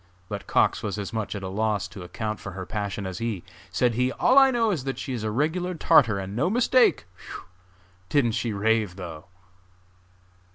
But Cox was as much at a loss to account for her passion as he. Said he: "All I know is that she is a regular tartar, and no mistake! Whew! Didn't she rave though?"